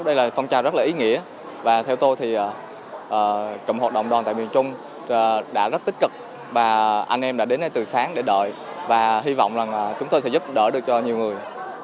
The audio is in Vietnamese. đây là phong trào rất là ý nghĩa và theo tôi thì cùng hoạt động đoàn tại miền trung đã rất tích cực và anh em đã đến đây từ sáng để đợi và hy vọng rằng chúng tôi sẽ giúp đỡ được cho nhiều người